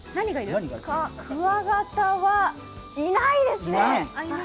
クワガタはいないですね。